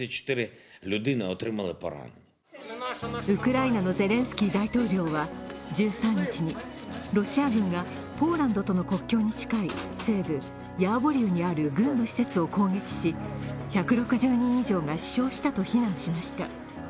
ウクライナのゼレンスキー大統領は１３日にロシア軍がポーランドとの国境に近い西部ヤーヴォリウにある軍の施設を攻撃し１６０人以上が死傷したと非難しました。